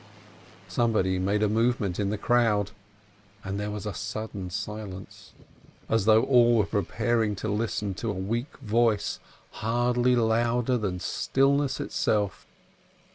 Somebody made a movement in the crowd, and there was a sudden silence, as though all were preparing to listen to a weak voice, hardly louder than stillness itself.